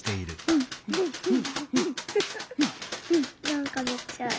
なんかのっちゃう。